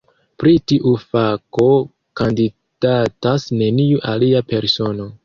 Pri tiu fako kandidatas neniu alia persono.